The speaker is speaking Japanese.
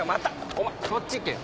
お前そっち行けよ。